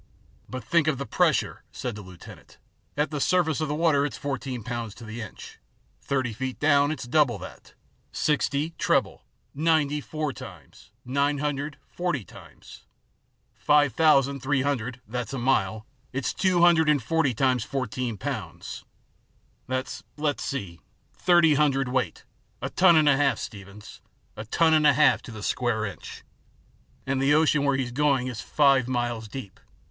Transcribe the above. " But think of the pressure," said the lieutenant. " At the surface of the water it's fourteen pounds to the inch, thirty feet down it's double that; sixty, treble; ninety, four times; nine hundred, forty times; five thousand, three hundred that's a mile it's two hundred and forty times fourteen pounds ; that's let's see thirty hundredweight a ton and a half, Steevens ; a ton and a half to the square inch. And the ocean where he's going is five miles deep.